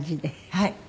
はい。